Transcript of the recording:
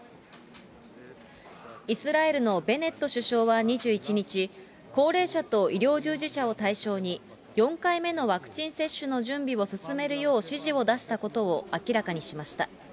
イスラエルのベネット首相は２１日、高齢者と医療従事者を対象に、４回目のワクチン接種の準備を進めるよう指示を出したことを明らかにしました。